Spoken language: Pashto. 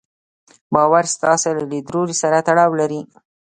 باور ستاسې له ليدلوري سره تړاو لري.